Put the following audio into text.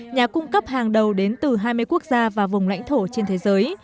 nhà cung cấp hàng đầu đến từ hai mươi quốc gia và vùng lãnh thổ trên thế giới